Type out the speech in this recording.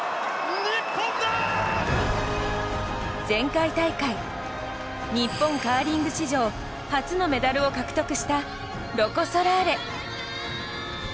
前回大会、日本カーリング史上初のメダルを獲得したロコ・ソラーレ。